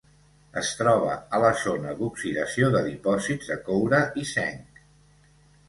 Es troba a la zona d'oxidació de dipòsits de coure i zinc.